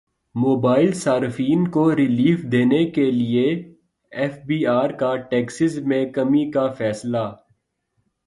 mobile صارفین کو relief دینے کیلئے ایف بی ار کا ٹیکسز میں کمی کا فیصلہ